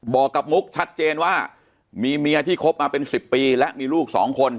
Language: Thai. บอกกับมุกชัดเจนว่ามีเมียที่คบมาเป็น๑๐ปีและมีลูกสองคน